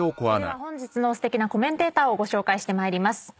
本日のすてきなコメンテーターをご紹介してまいります。